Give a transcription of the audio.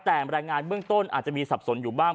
แต่รายงานเบื้องต้นอาจจะมีสับสนอยู่บ้าง